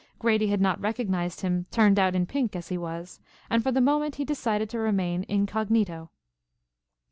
Grady had not recognized him turned out in pink as he was, and for the moment he decided to remain incognito.